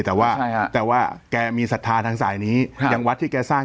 แต่ว่าแกมีศรัทธาทางสายนี้อย่างวัดที่แกสร้าง